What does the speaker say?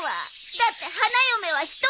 だって花嫁は一人よ。